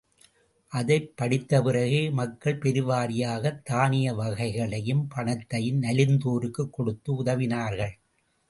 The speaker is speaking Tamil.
அதைப் படித்த பிறகே மக்கள் பெருவாரியாகத் தானிய வகைகளையும், பணத்தையும் நலிந்தோருக்குக் கொடுத்து உதவினார்கள்.